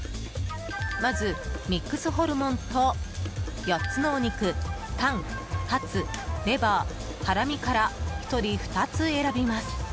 まず、ミックスホルモンと４つのお肉タン、ハツ、レバー、ハラミから１人２つ選びます。